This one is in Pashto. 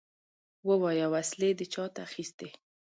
ووايه! وسلې دې چاته اخيستې؟